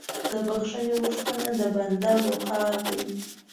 د بخښنې غوښتنه د بنده وقار دی.